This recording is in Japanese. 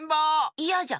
いやじゃ。